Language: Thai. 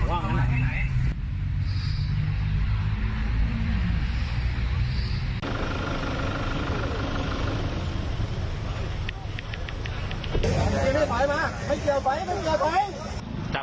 ไม่ได้สองของอย่างเงียบ